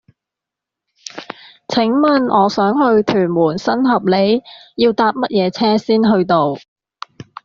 請問我想去屯門新合里要搭乜嘢車先去到